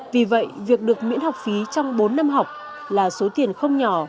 vì vậy việc được miễn học phí trong bốn năm học là số tiền không nhỏ